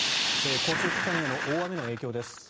交通機関への大雨の影響です。